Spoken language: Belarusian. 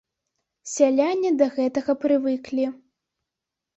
Сяляне да гэтага прывыклі.